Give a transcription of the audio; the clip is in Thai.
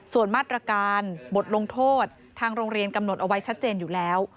ส่วนมาตรการบทลงโทษทางโรงเรียนกำหนดเอาไว้ชัดเจนอยู่แล้ว